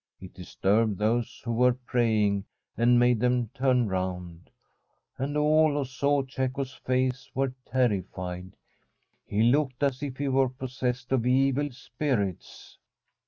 It disturbed those who were praying, and made them turn round. And all who saw Cecco 's face were terrified ; he looked as if he were possessed of evil spirits.